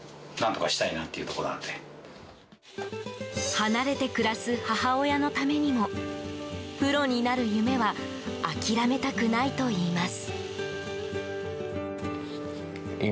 離れて暮らす母親のためにもプロになる夢は諦めたくないといいます。